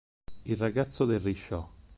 Il ragazzo del risciò